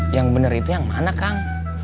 yang benar itu yang mana kang